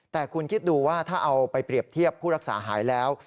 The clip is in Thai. แต่คุณคิดดูว่าถ้าเอาไปเปรียบเทียบผู้รักษาหายแล้ว